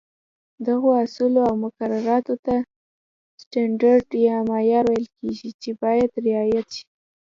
دغو اصولو او مقرراتو ته سټنډرډ یا معیار ویل کېږي، چې باید رعایت شي.